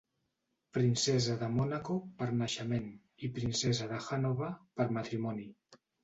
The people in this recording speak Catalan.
Princesa de Mònaco per naixement i Princesa de Hannover per matrimoni.